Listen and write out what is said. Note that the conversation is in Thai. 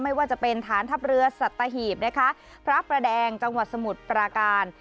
ไม่ว่าจะเป็นฐานทัพเรือสัตหีบนะคะพระประแดงจังหวัดสมุทรปราการ